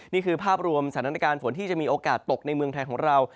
นี่คือภาพรวมสถานการณ์ฝนที่จะมีโอกาสตกในเมืองไทยของเรา